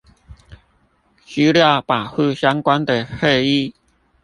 資料保護相關的會議